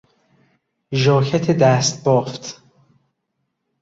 ژاکت دستبافت